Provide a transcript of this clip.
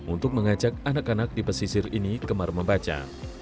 untuk mengajak anak anak di pesisir ini kemar membaca